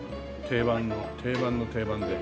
定番の定番の定番で。